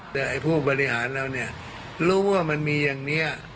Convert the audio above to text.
แต่ไอ้ผู้บริหารเราเนี่ยรู้ว่ามันมีอย่างนี้